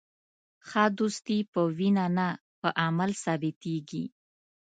ښه دوستي په وینا نه، په عمل ثابتېږي.